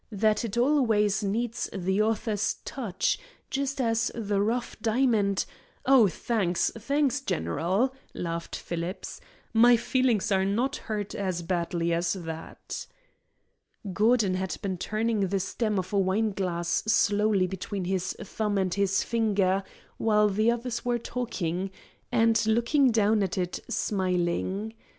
That it always needs the author's touch, just as the rough diamond " "Oh, thanks, thanks, general," laughed Phillips. "My feelings are not hurt as badly as that." Gordon had been turning the stem of a wineglass slowly between his thumb and his finger while the others were talking, and looking down at it smiling.